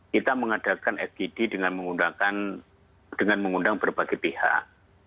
kita mengadakan fgd dengan mengundangkan dengan mengundang berbagai pihak